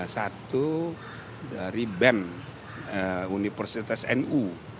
satu dari bem universitas nu